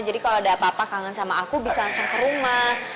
jadi kalo ada apa apa kangen sama aku bisa langsung ke rumah